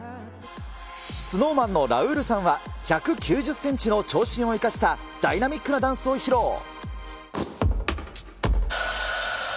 ＳｎｏｗＭａｎのラウールさんは、１９０センチの長身を生かしたダイナミックなダンスを披露。